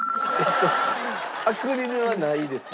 アクリルはないですね。